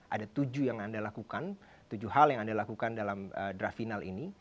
ada tujuh hal yang anda lakukan dalam draf final ini